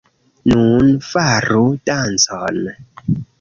Nun, faru dancon.